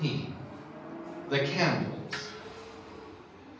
The Candles.